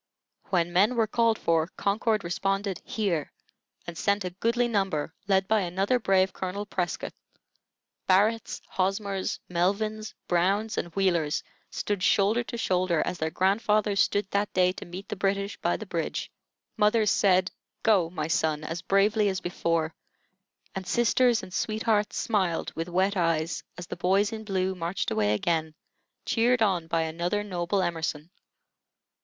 When men were called for, Concord responded "Here!" and sent a goodly number, led by another brave Colonel Prescott. Barretts, Hosmers, Melvins, Browns, and Wheelers stood shoulder to shoulder, as their grandfathers stood that day to meet the British by the bridge. Mothers said, "Go my son," as bravely as before, and sisters and sweethearts smiled with wet eyes as the boys in blue marched away again, cheered on by another noble Emerson.